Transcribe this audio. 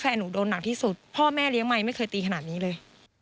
หนูโดนหนักที่สุดพ่อแม่เลี้ยงใหม่ไม่เคยตีขนาดนี้เลย